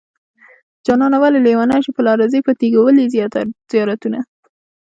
جانانه ولې لېونی شوې په لاره ځې په تيګو ولې زيارتونه